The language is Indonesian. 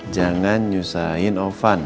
jangan nyusahin ofan